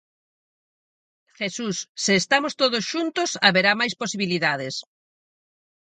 Jesús: "Se estamos todos xuntos haberá máis posibilidades".